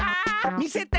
みせて。